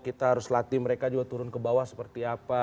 kita harus latih mereka juga turun ke bawah seperti apa